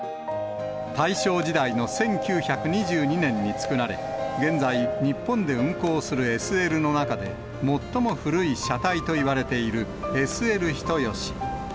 大正時代の１９２２年に作られ、現在日本で運行するＳＬの中で最も古い車体といわれているＳＬ人吉。